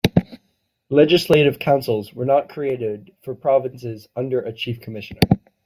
Legislative councils were not created for provinces under a chief commissioner.